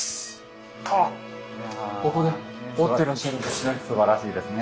あっここで織ってらっしゃるんですね。